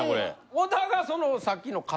小田がそのさっきの傘。